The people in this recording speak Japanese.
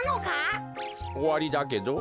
おわりだけど？